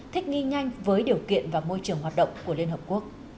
thích nghi nhanh với điều kiện và môi trường hoạt động của liên hợp quốc